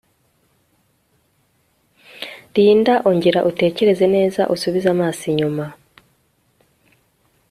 Linda ongera utekereze neza usubize amaso inyuma